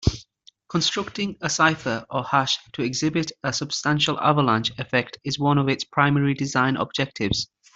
Constructing a cipher or hash to exhibit a substantial avalanche effect is one of its primary design objectives.